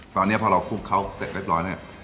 ตอนนี้พอเราคลุกเขาเสร็จเรียบร้อยเนี่ย